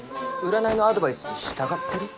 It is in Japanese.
占いのアドバイスに従ってる？